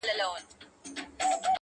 • په كوڅه كي څراغ نه وو توره شپه وه -